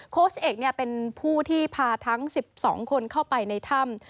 โค้ชเอกเป็นผู้ที่พาทั้ง๑๒คนเข้าไปในถ้ำ